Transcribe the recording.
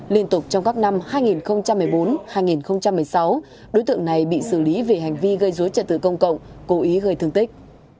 liên tục trong các năm hai nghìn một mươi bốn hai nghìn một mươi sáu đối tượng này bị xử lý về hành vi gây dối trật tự công cộng cố ý gây thương tích